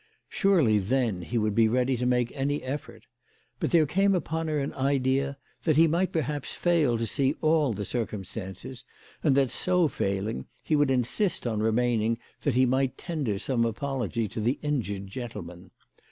Surely then he would be ready to make any effort. But there came upon her an idea that he might perhaps fail to see all the circum stances, and that, so failing, he would insist on remain ing that he might tender some apology to the injured gentleman.